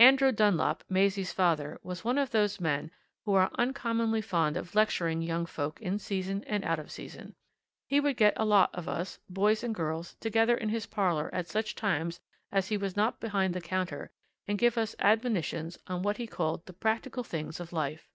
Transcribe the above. Andrew Dunlop, Maisie's father, was one of those men who are uncommonly fond of lecturing young folk in season and out of season. He would get a lot of us, boys and girls, together in his parlour at such times as he was not behind the counter and give us admonitions on what he called the practical things of life.